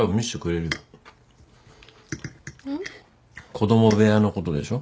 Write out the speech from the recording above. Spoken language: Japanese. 子供部屋のことでしょ？